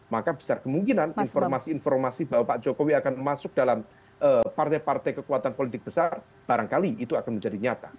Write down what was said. maka besar kemungkinan informasi informasi bahwa pak jokowi akan masuk dalam partai partai kekuatan politik besar barangkali itu akan menjadi nyata